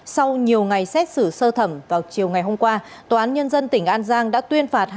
sau nhiều ngày xét xử sơ thẩm vào chiều ngày hôm qua tòa án nhân dân tỉnh an giang đã tuyên phạt